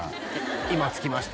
「今着きました」